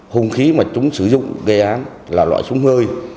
hùng khí mà chúng sử dụng gây án là loại súng hơi